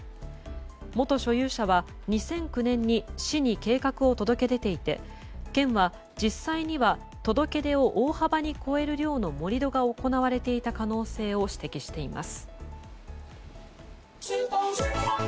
元所有者は２００９年に市に計画を届け出ていて県は、実際には届け出を大幅に超える量の盛り土が行われていた可能性を指摘しています。